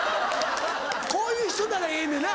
こういう人ならええねんな。